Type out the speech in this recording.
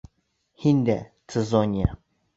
Һин дә, Цезония!